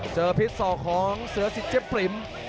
พิษศอกของเสือสิทเจ๊ปริม